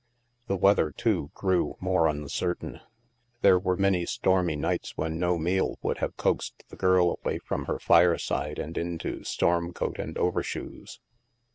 The weather, too, grew more uncertain. There were many stormy nights when no meal would have coaxed the girl away from her fireside and into stormcoat and overshoes.